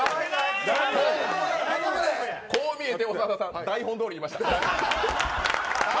こう見えて長田さん台本どおり言いました。